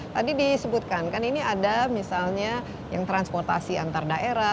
tadi disebutkan kan ini ada misalnya yang transportasi antar daerah